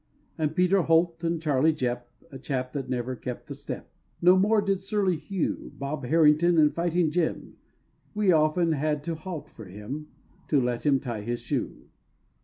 And Peter Holt, and Charley Jepp, A chap that never kept the step No more did "Surly Hugh;" Bob Harrington, and "Fighting Jim" We often had to halt for him, To let him tie his shoe.